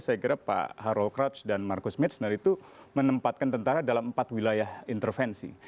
saya kira pak harold krauts dan markus mitschner itu menempatkan tentara dalam empat wilayah intervensi